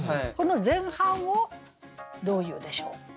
この前半をどう言うでしょう？